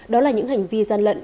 đó là những hành vi gian lận